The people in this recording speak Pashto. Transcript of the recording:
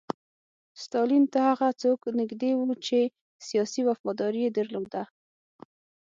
ستالین ته هغه څوک نږدې وو چې سیاسي وفاداري یې درلوده